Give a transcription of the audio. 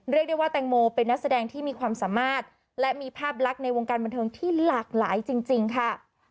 เรียกได้ว่าแตงโมเป็นนักแสดงที่มีความสามารถและมีภาพลักษณ์ในวงการบันเทิงที่หลากหลายจริงค่ะ